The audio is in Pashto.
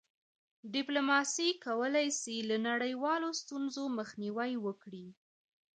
ډيپلوماسي کولی سي له نړیوالو ستونزو مخنیوی وکړي.